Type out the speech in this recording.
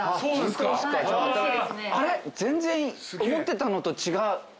全然思ってたのと違う。